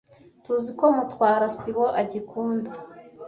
Tuziko Mutwara sibo agikunda.